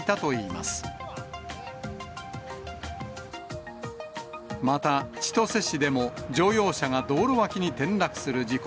また、千歳市でも乗用車が道路脇に転落する事故。